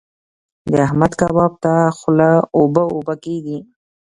د احمد کباب ته خوله اوبه اوبه کېږي.